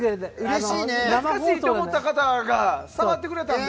懐かしいと思った方が触ってくれたんだ。